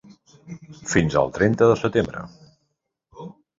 Fins al trenta de setembre.